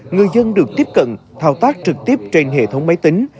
người dân được tiếp cận thao tác trực tiếp trên hệ thống máy tính